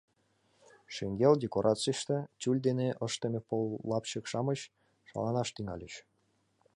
Шеҥгел декорацийыште тюль дене ыштыме пыл лапчык-шамыч шаланаш тӱҥальыч.